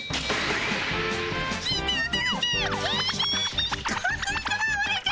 聞いておどろけ！